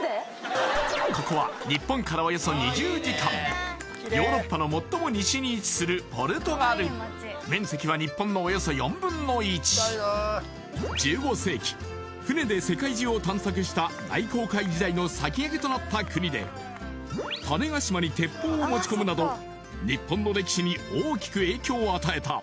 ここは日本からおよそ２０時間ヨーロッパの最も西に位置するポルトガル面積は日本のおよそ４分の１１５世紀船で世界中を探索した大航海時代の先駆けとなった国で種子島に鉄砲を持ち込むなど日本の歴史に大きく影響を与えた